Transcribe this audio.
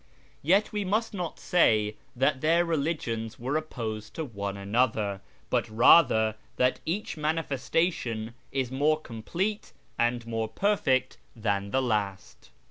Yet we must not say that their religions were opposed to one another, but rather that each ' manifestation ' is more complete and more perfect than the last."